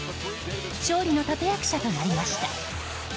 勝利の立役者となりました。